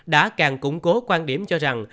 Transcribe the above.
đã càng củng cố quan điểm cho rằng